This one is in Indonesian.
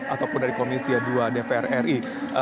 ataupun dari komisi dua dpr ri